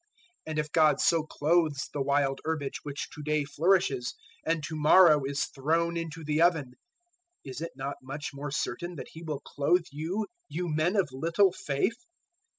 006:030 And if God so clothes the wild herbage which to day flourishes and to morrow is thrown into the oven, is it not much more certain that He will clothe you, you men of little faith?